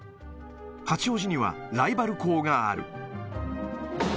八王子にはライバル校がある。